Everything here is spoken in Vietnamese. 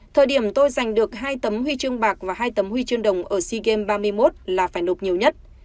thời điểm tôi giành được hai tấm huy chương bạc và hai tấm huy chương đồng ở sea games ba mươi một là phải nộp nhiều nhất